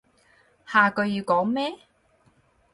下句要講咩？